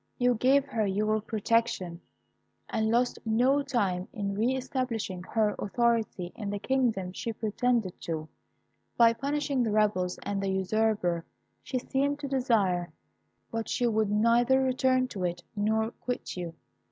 You gave her your protection, and lost no time in re establishing her authority in the kingdom she pretended to, by punishing the rebels and the usurper she seemed to desire; but she would neither return to it nor quit you.